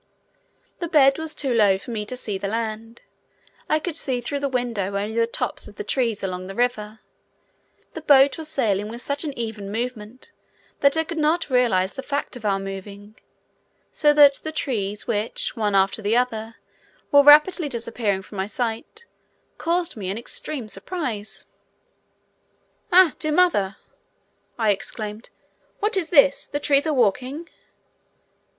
The bed was too low for me to see the land; I could see through the window only the tops of the trees along the river. The boat was sailing with such an even movement that I could not realize the fact of our moving, so that the trees, which, one after the other, were rapidly disappearing from my sight, caused me an extreme surprise. "Ah, dear mother!" I exclaimed, "what is this? the trees are walking!"